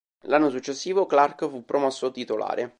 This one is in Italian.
L'anno successivo, Clark fu promosso titolare.